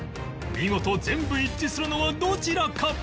見事全部一致するのはどちらか？